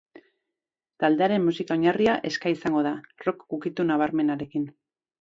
Taldearen musika oinarria ska izango da, rock ukitu nabarmenarekin.